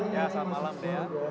ya selamat malam dea